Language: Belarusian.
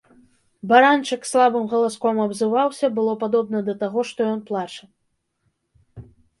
Баранчык слабым галаском абзываўся, было падобна да таго, што ён плача.